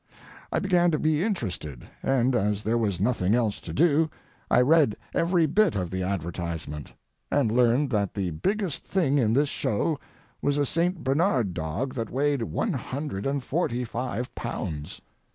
I began to be interested, and as there was nothing else to do I read every bit of the advertisement, and learned that the biggest thing in this show was a St. Bernard dog that weighed one hundred and forty five pounds.